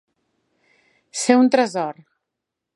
Ser un tresor.